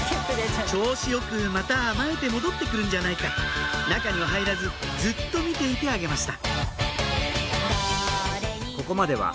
調子よくまた甘えて戻ってくるんじゃないか中には入らずずっと見ていてあげました